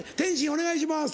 お願いします。